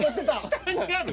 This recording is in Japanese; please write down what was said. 下にある！